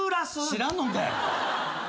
知らんのんかい！